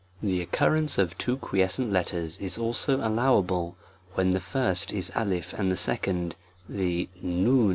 THE occurrence of two quiescent letters is also allowable, when t^ie first is T and the second, the A 9 '